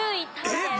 えっ？